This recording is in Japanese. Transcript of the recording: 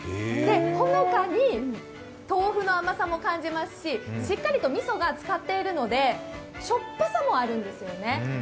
ほのかに豆腐の甘さも感じますし、しっかりとみそがつかっているのでしょっぱさもあるんですよね。